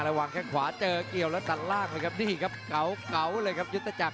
แข้งขวาเจอเกี่ยวแล้วตัดล่างเลยครับนี่ครับเก๋าเลยครับยุทธจักร